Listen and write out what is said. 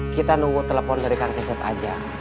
kita nunggu telepon dari kang cesep aja